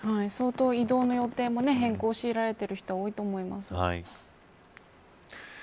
移動の予定も相当、変更をしられている人多いと思います。